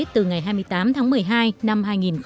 từ ngày hai mươi tám tháng một mươi hai năm hai nghìn một mươi chín